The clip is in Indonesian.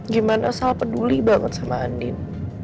gimana sel peduli banget sama andien